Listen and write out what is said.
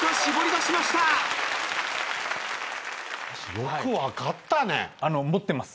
よく分かったね。